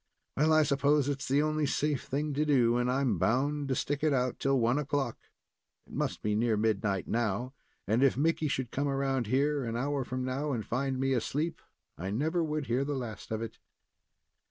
Well, I s'pose it's the only safe thing to do, and I'm bound to stick it out till one o'clock. It must be near midnight now, and if Mickey should come around here, an hour from now, and find me asleep, I never would hear the last of it."